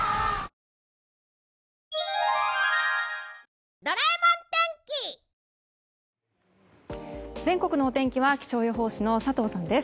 わぁ全国のお天気は気象予報士の佐藤さんです。